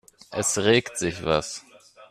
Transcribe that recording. Es regt sich was.